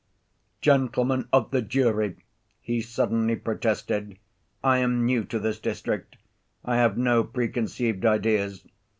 "Gentlemen of the jury," he suddenly protested, "I am new to this district. I have no preconceived ideas.